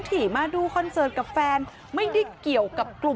ตอนนี้ก็ไม่มีอัศวินทรีย์ที่สุดขึ้นแต่ก็ไม่มีอัศวินทรีย์ที่สุดขึ้น